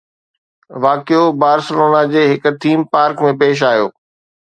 واقعو بارسلونا جي هڪ ٿيم پارڪ ۾ پيش آيو